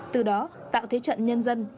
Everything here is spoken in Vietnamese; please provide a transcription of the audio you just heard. từ đó tạo thế trận nhân dân